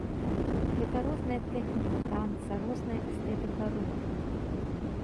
Гэта розныя тэхнікі танца, розная эстэтыка руху.